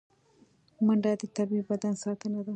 منډه د طبیعي بدن ساتنه ده